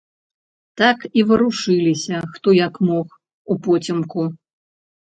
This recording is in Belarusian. Так і варушыліся, хто як мог, упоцемку.